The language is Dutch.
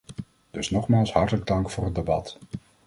Dus nogmaals hartelijk dank voor het debat.